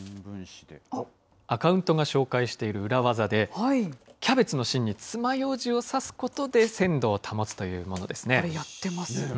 アカウントが紹介している裏技で、キャベツの芯につまようじを刺すことで鮮度を保つというものですやってます。